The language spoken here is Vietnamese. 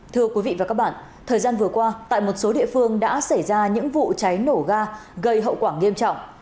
thưa quý vị và các bạn thời gian vừa qua tại một số địa phương đã xảy ra những vụ cháy nổ ga gây hậu quả nghiêm trọng